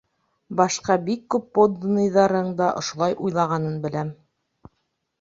Башҡа бик күп подданыйҙарың да ошолай уйлағанын беләм.